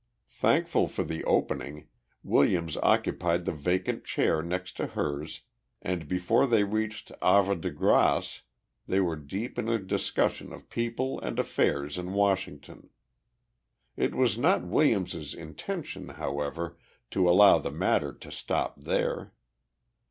Thankful for the opening, Williams occupied the vacant chair next to hers, and before they reached Havre de Grace they were deep in a discussion of people and affairs in Washington. It was not Williams's intention, however, to allow the matter to stop there.